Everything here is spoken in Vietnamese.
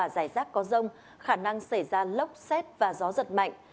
rải rác có rông khả năng xảy ra lốc xét và gió giật mạnh